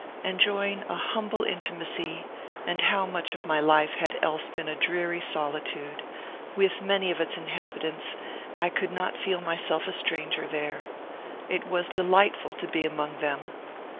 Enjoying a humble intimacy and how much of my life had else been a dreary solitude! with many of its inhabitants, I could not feel myself a stranger there. It was delightful to be among them.